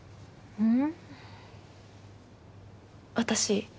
うん。